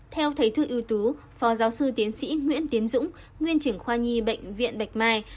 theo thầy thư ưu tú phó giáo sư tiến sĩ nguyễn tiến dũng nguyên trưởng khoa nhi bệnh viện bạch mai